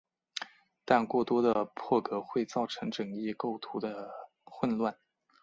但过多的破格会造成整页构图的混乱。